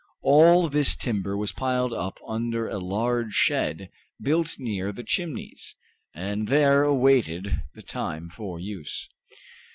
All this timber was piled up under a large shed, built near the Chimneys, and there awaited the time for use.